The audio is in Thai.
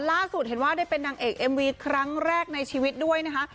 ล่าสุดเห็นว่าได้เป็นนางเอกเอ็มวีครั้งแรกในชีวิตด้วยนะคะ